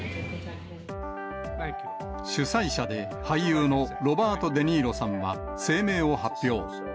主催者で俳優のロバート・デ・ニーロさんは声明を発表。